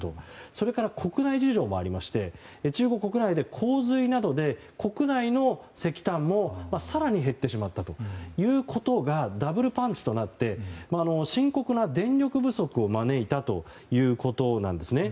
それから国内事情もありまして中国国内で、洪水などで国内の石炭も更に減ってしまったということがダブルパンチとなって深刻な電力不足を招いたということなんですね。